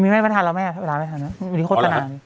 ไม่ทันแล้วแม่ไม่ทันแล้วไม่ได้โฆษณา